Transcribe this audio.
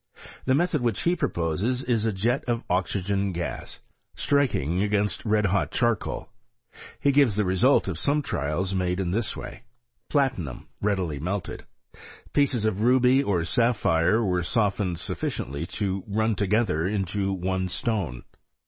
The method which he proposes is a jet of oxygen gas, striking against red hot char coal. He gives the result of some trials made in this way. Platinum readily melted. Pieces of ruby or sapphire were softened sufficiently to run together into one stone.